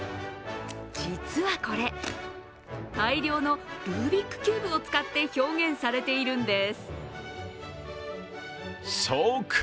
実はこれ大量のルービックキューブを使って表現されているんです。